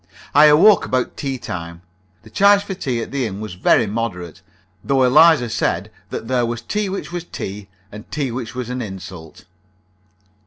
I awoke about tea time. The charge for tea at the inn was very moderate, though Eliza said that there was tea which was tea, and tea which was an insult.